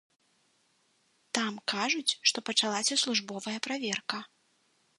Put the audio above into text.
Там кажуць, што пачалася службовая праверка.